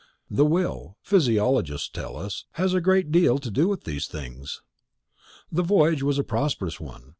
The will, physiologists tell us, has a great deal to do with these things. The voyage was a prosperous one.